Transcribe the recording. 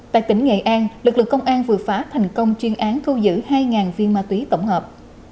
tại tỉnh nghệ an lực lượng công an vừa phá thành công chuyên án thu giữ hai viên ma túy tổng hợp